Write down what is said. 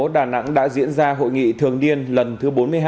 đã diễn ra hội nghị thường điên lần thứ bốn mươi hai